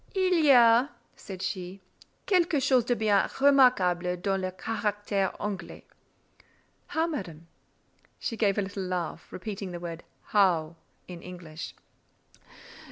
"Il y a," said she, "quelquechose de bien remarquable dans le caractère Anglais." "How, Madame?" She gave a little laugh, repeating the word "how" in English.